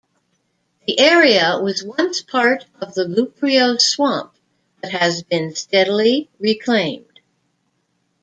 The area was once part of the Luprio swamp, but has been steadily reclaimed.